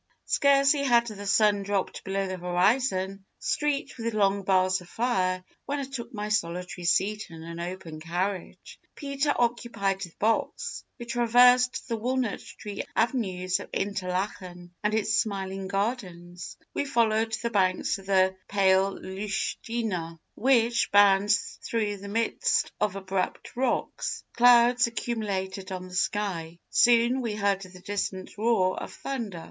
"Scarcely had the sun dropped below the horizon, streaked with long bars of fire, when I took my solitary seat in an open carriage. Peter occupied the box. We traversed the walnut tree avenues of Interlachen and its smiling gardens. We followed the banks of the pale Lütschina, which bounds through the midst of abrupt rocks. Clouds accumulated on the sky. Soon we heard the distant roar of thunder.